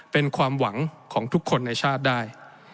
เป็นความหวังของทุกคนในชาติได้